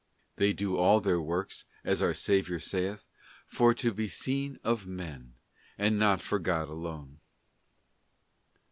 They do all their works, as our Saviour saith, ' for to be seen of men,' f and not for God alone.